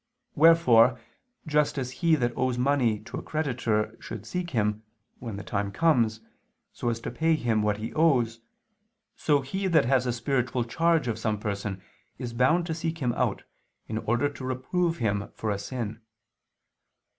Wherefore just as he that owes money to a creditor should seek him, when the time comes, so as to pay him what he owes, so he that has spiritual charge of some person is bound to seek him out, in order to reprove him for a sin.